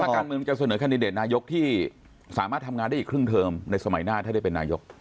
การเมืองจะเสนอแคนดิเดตนายกที่สามารถทำงานได้อีกครึ่งเทอมในสมัยหน้าถ้าได้เป็นนายก